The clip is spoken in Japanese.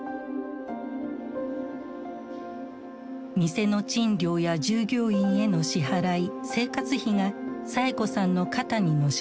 店の賃料や従業員への支払い生活費がサエ子さんの肩にのしかかった。